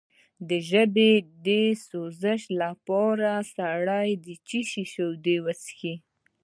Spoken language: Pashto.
د ژبې د سوزش لپاره سړې شیدې وڅښئ